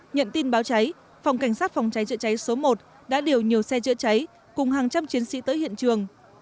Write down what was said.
nhận tin báo cháy phòng cảnh sát phòng cháy chữa cháy số một đã điều nhiều xe chữa cháy cùng hàng trăm chiến sĩ tới hiện trường